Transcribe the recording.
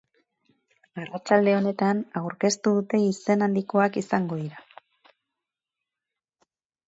Arratsalde honetan aurkeztu dute izen handikoak izango dira.